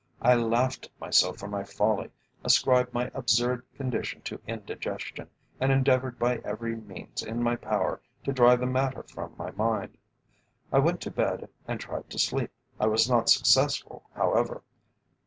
I laughed at myself for my folly, ascribed my absurd condition to indigestion, and endeavoured by every means in my power to drive the matter from my mind. I went to bed and tried to sleep. I was not successful, however.